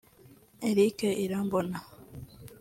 Eric Irambona